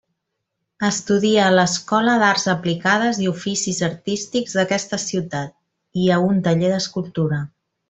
Estudia a l’Escola d’Arts Aplicades i Oficis Artístics d'aquesta ciutat i a un taller d’escultura.